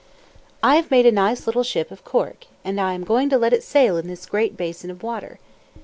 "I have made a nice little ship, of cork, and am going to let it sail in this great basin of water.